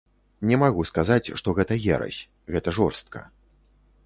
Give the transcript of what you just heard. Не магу сказаць, што гэта ерась, гэта жорстка.